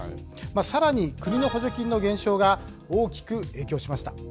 さらに国の補助金の減少が大きく影響しました。